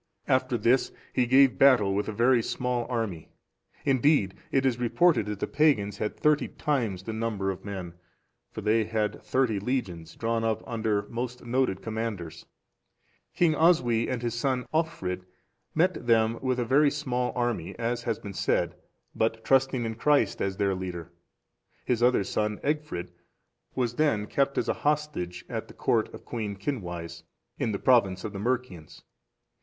After this he gave battle with a very small army: indeed, it is reported that the pagans had thirty times the number of men; for they had thirty legions, drawn up under most noted commanders.(432) King Oswy and his son Alchfrid met them with a very small army, as has been said, but trusting in Christ as their Leader; his other son, Egfrid,(433) was then kept as a hostage at the court of Queen Cynwise,(434) in the province of the Mercians.